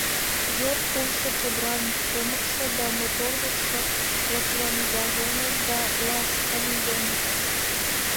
Йыр улшо чодыран тымыкше да моторлыкшо лыпландареныт да ласкаҥденыт..